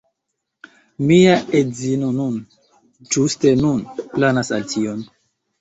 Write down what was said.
Mia edzino nun, ĝuste nun, planas tion.